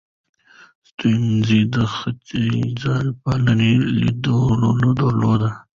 سټيونز د ختیځپالنې لیدلوری درلود.